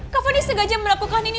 kak fonis sengaja melakukan ini